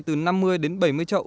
từ năm mươi đến bảy mươi chậu